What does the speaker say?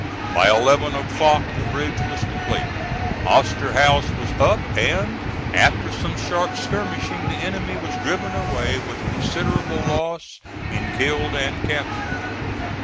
By eleven o'clock the bridge was complete. Osterhaus was up, and after some sharp skirmishing the enemy was driven away with considerable loss in killed and captured.